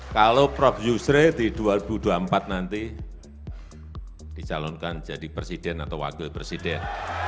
kalau prof yusri di dua ribu dua puluh empat nanti dicalonkan jadi presiden atau wakil presiden